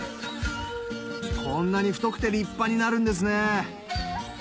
こんなに太くて立派になるんですね